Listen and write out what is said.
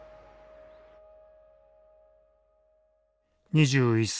２１歳。